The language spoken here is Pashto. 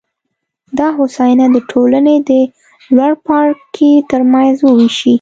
دا هوساینه د ټولنې د لوړپاړکي ترمنځ ووېشي.